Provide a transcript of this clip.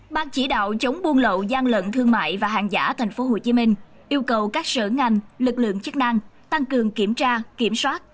ban chỉ đạo chống buôn lậu gian lận thương mại và hàng giả tp hcm yêu cầu các sở ngành lực lượng chức năng tăng cường kiểm tra kiểm soát